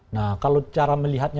nah kalau cara melihatnya